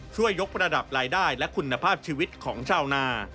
ช่วยยกระดับรายได้และคุณภาพชีวิตของชาวนา